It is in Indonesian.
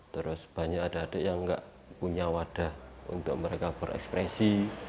terus banyak adik adik yang gak punya wadah untuk mereka berekspresi